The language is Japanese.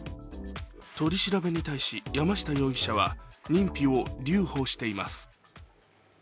取り調べに対し山下容疑者は認否を留保しています。